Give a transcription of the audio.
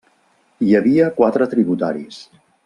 Hi havia quatre tributaris.